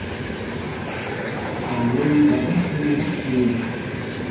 hà ni vẫn trương mắt nhìn